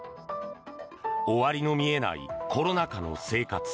終わりの見えないコロナ禍の生活。